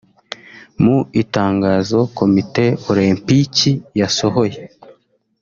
Mu itangazo Komite Olempiki yasohoye